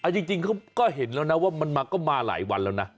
จริงเขาก็เห็นแล้วนะว่ามันมาก็มาหลายวันแล้วนะ